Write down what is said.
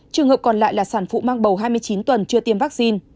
trường hợp còn lại là sản phụ mang bầu hai mươi chín tuần chưa tiêm vaccine